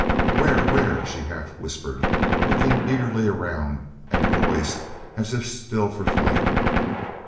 "Where? Where?" she half whispered, looking eagerly around and poised as if still for flight.